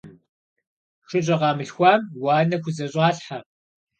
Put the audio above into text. ШыщӀэ къамылъхуам уанэ хузэщӀалъхьэ.